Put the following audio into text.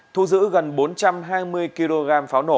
thu giữ gần bốn trăm hai mươi kg